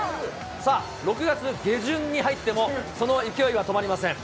さあ、６月下旬に入ってもその勢いは止まりません。